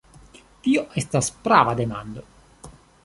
Tio estas prava demando.